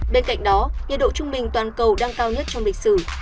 bên cạnh đó nhiệt độ trung bình toàn cầu đang cao nhất trong lịch sử